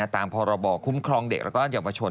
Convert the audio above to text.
ตามพรบคุ้มครองเด็กแล้วก็เดี่ยวประชวน